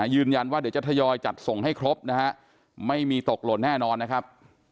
ยืนยันว่าเดี๋ยวจะทยอยจัดส่งให้ครบนะฮะไม่มีตกหล่นแน่นอนนะครับ